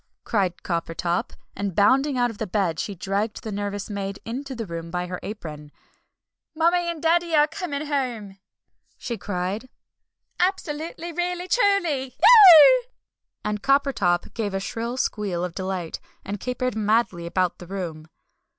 cried Coppertop. And bounding out of bed she dragged the nervous maid into the room by her apron. "Mummie and Daddy coming home!" she cried, "absolutely really truly! Eeeeeuggh!" and Coppertop gave a shrill squeal of delight, and capered madly about the room.